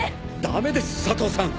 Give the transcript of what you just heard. ダメです佐藤さん！